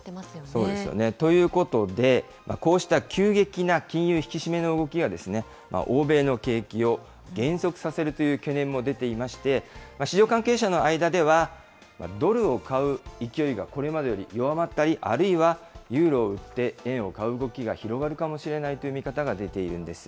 そうですよね。ということで、こうした急激な金融引き締めの動きが欧米の景気を減速させるという懸念も出ていまして、市場関係者の間では、ドルを買う勢いがこれまでより弱まったり、あるいはユーロを売って円を買う動きが広がるかもしれないという見方が出ているんです。